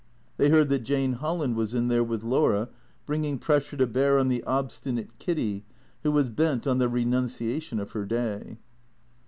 They heard that Jane Holland was in there with Laura, bringing pressure to bear on the obstinate Kiddy who was bent on the renunciation of her day.